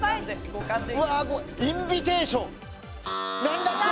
『インビテーション』。